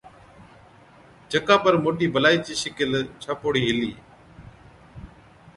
جڪا پر موٽِي بَلائِي چِي شِگل ڇاپوڙِي هِلِي۔